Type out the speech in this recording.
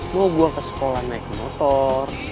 mau buang ke sekolah naik motor